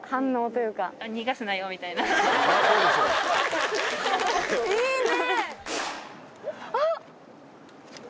いいね！